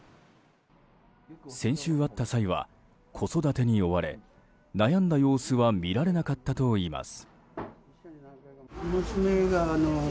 先週会った際は、子育てに追われ悩んだ様子は見られなかったといいます。